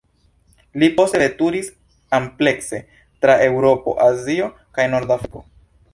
Li poste veturis amplekse, tra Eŭropo, Azio kaj Nordafriko.